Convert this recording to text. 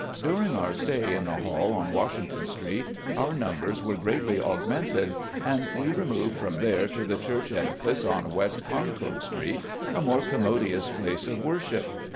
During our stay in the hall on Washington Street our numbers were greatly augmented, and we removed from there to the church edifice on West Concord Street, a more commodious place of worship.